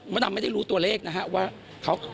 ดำไม่ได้รู้ตัวเลขนะฮะว่า